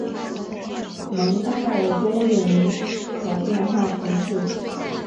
蒙巴尔东人口变化图示